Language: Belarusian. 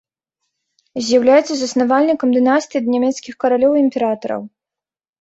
З'яўляецца заснавальнікам дынастыі нямецкіх каралёў і імператараў.